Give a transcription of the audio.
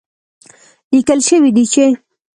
ليکل شوي دي چې